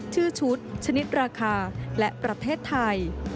ชื่อชุดชนิดราคาและประเทศไทย